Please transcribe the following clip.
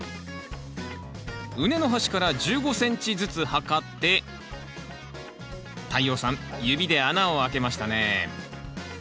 畝の端から１５ｃｍずつ測って太陽さん指で穴を開けましたね。